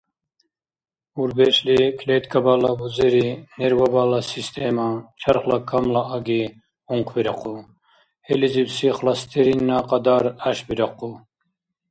Урбешли клеткабала бузери, нервабала система, чархла камла аги ункъбирахъу, хӀилизибси холестеринна кьадар гӀяшбирахъу.